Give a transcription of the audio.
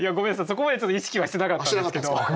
そこまで意識はしてなかったんですけど。